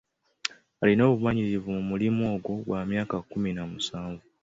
Alina obumanyirivu mu mulimu ogwo gwa myaka kkumi na musanvu.